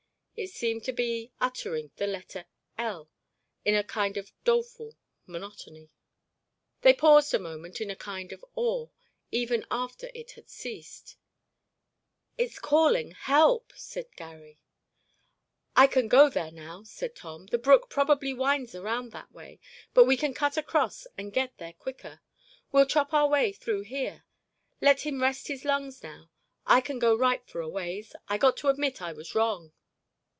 It seemed to be uttering the letter L in a kind of doleful monotony. They paused a moment in a kind of awe, even after it had ceased. "It's calling help," said Garry. "I can go there now," said Tom. "The brook probably winds around that way, but we can cut across and get there quicker. We'll chop our way through here. Let him rest his lungs now—I can go right for a ways. I got to admit I was wrong."